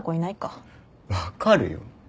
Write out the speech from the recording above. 分かるよ。